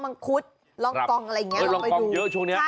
ง้อกมังคุต